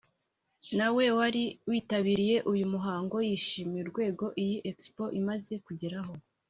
nawe wari witabiriye uyu muhango yishimiye urwego iyi expo imaze kugeraho